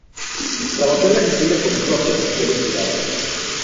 Trabajó en la gestión deportiva provincial y privada.